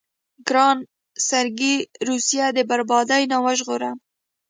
ګرانه سرګي روسيه د بربادۍ نه وژغوره.